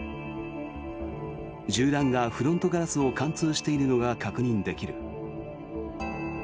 銃弾がフロントガラスを貫通しているのが確認できる。